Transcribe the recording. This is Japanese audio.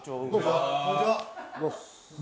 こんにちは